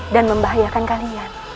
dan membahayakan kalian